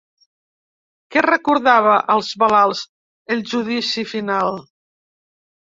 Què recordava als malalts el Judici Final?